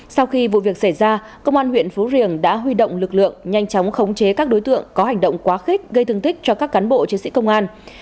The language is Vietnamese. sau khi vụ việc xảy ra công an huyện phú riềng đã huy động lực lượng nhanh chóng khống chế các đối tượng có hành động quá khích gây thương tích cho các cán bộ chiến sĩ công an